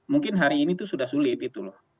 mungkin hari ini tuh sudah sulit itu loh